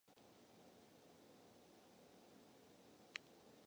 俺はこやまゆうご。Lock のジャンリだ。先週はインフルエンザにかかってしまった、、、